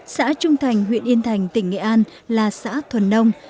xã trung thành huyện yên thành tỉnh nghệ an là xã thuần nông